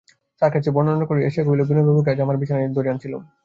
সার্কাসের বর্ণনা করিয়া সে কহিল, বিনয়বাবুকে আজ আমার বিছানায় ধরে আনছিলুম।